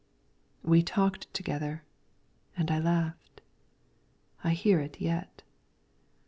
We talked together, and I laughed ; I hear it yet.